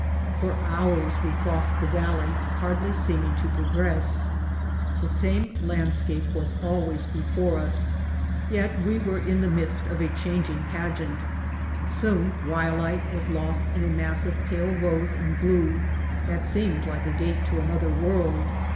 For hours we crossed the valley, hardly seeming to progress. The same landscape was always before us, yet we were in White Heart of Mojave the midst of a changing pageant. Soon Ryolite was lost in a mass of pale rose and blue that seemed like a gate to another world.